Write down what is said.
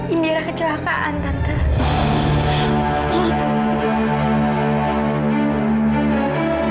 indira kecelakaan tante